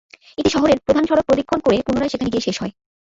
এটি শহরের প্রধান সড়ক প্রদক্ষিণ করে পুনরায় সেখানে গিয়ে শেষ হয়।